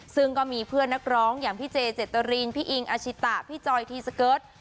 ซึ่งก็มีเพื่อนนักร้องอย่างพี่เจเจตรินพี่อิงอาชิตะพี่จอยทีสเกิร์ต